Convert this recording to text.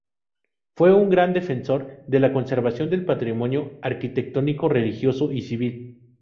Fue un gran defensor de la conservación del patrimonio arquitectónico religioso y civil.